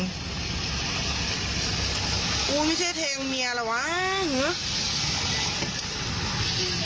กูไม่ใช่เทงเมียเหรอวะหื้อ